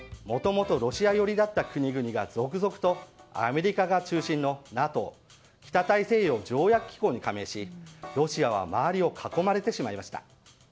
もともとロシア寄りだった国々が続々とアメリカが中心のＮＡＴＯ・北大西洋条約機構に加盟しロシアは周りを囲まれてしまいました。